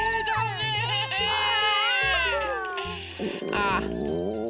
ああ。